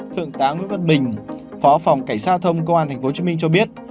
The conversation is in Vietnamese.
thượng tá nguyễn văn bình phó phòng cảnh sát giao thông công an tp hcm cho biết